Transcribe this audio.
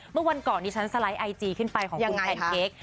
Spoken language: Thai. เมื่อวันก่อนนี้ฉันสไลด์ไอจีขึ้นไปของคุณแพนเค้ก